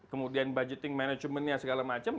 kemudian budgeting managementnya segala macam